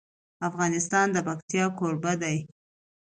افغانستان د پکتیا کوربه دی.